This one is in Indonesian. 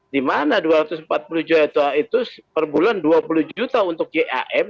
dimana dua ratus empat puluh juta itu per bulan dua puluh juta untuk yam